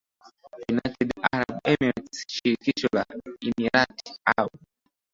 United Arab Emirates ni shirikisho la emirati au